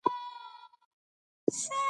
د خپل نوم خپرول يې هدف نه و.